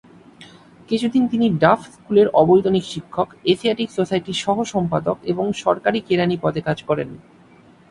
কিছু দিন তিনি ডাফ স্কুলের অবৈতনিক শিক্ষক, এশিয়াটিক সোসাইটির সহ-সম্পাদক এবং সরকারি কেরানি পদে কাজ করেন।